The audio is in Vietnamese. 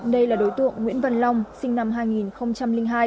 đây là đối tượng nguyễn văn long sinh năm hai nghìn hai